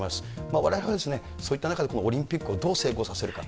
われわれはそういった中でオリンピックをどう成功させるか。